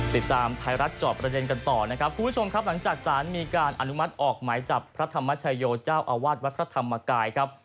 ติดตามไทยรัฐจอบประเด็นกันต่อนะครับคุณผู้ชมครับหลังจากสารมีการอนุมัติออกหมายจับพระธรรมชโยเจ้าอาวาสวัดพระธรรมกายครับ